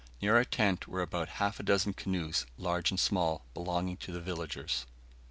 Near our tent were about half a dozen canoes, large and small, belonging to the villagers.